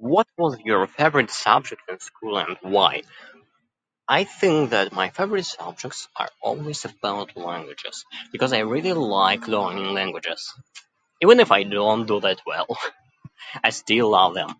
What was your favorite subject in school, and why? I think that my favorite subjects are always about languages, because I really like learning languages. Even if I don't do that well, I still love them.